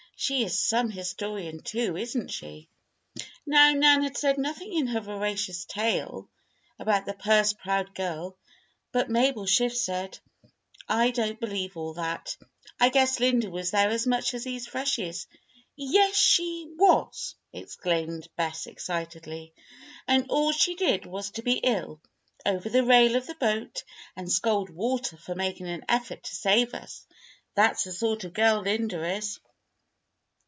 "She is some historian, too, isn't she?" Now, Nan had said nothing in her veracious tale about the purse proud girl; but Mabel Schiff said: "I don't believe all that. I guess Linda was there as much as these freshies " "Yes, she was!" exclaimed Bess, excitedly. "And all she did was to be ill, over the rail of the boat, and scold Walter for making any effort to save us. That's the sort of a girl Linda is."